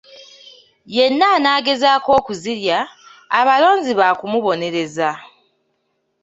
Yenna anaagezaako okuzirya, abalonzi baakumubonereza.